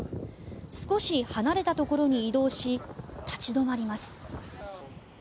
少し離れたところに移動し立ち止まります。